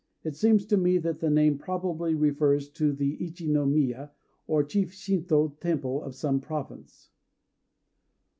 It seems to me that the name probably refers to the ichi no miya, or chief Shintô temple of some province.